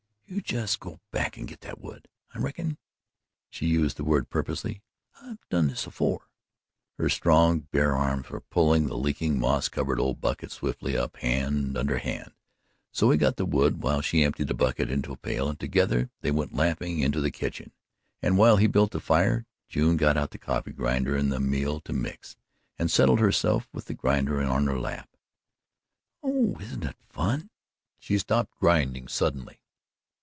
"You just go back and get that wood. I reckon," she used the word purposely, "I've done this afore." Her strong bare arms were pulling the leaking moss covered old bucket swiftly up, hand under hand so he got the wood while she emptied the bucket into a pail, and together they went laughing into the kitchen, and while he built the fire, June got out the coffee grinder and the meal to mix, and settled herself with the grinder in her lap. "Oh, isn't it fun?" She stopped grinding suddenly.